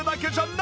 何？